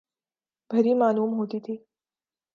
بھری معلوم ہوتی تھی ۔